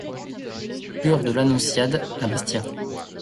Qur de l'Annonciade à Bastia